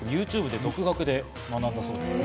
ＹｏｕＴｕｂｅで独学で学んだそうです。